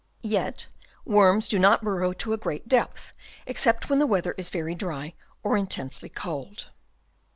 Yet worms do not burrow to a great depth, except when the weather is very dry or intensely cold.